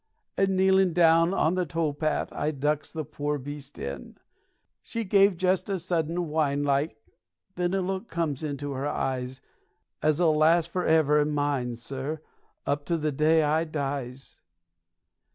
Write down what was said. And, kneelin' down on the towpath, I ducks the poor beast in. She gave just a sudden whine like, then a look comes into her eyes As 'ull last forever in mine, sir, up to the day I dies.